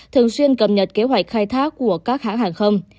thường xuyên cập nhật kế hoạch khai thác của các hãng hàng không